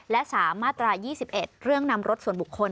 และ๓มาตรา๒๑เรื่องนำรถส่วนบุคคล